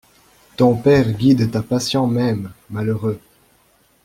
Ton père guide ta passion même, malheureux!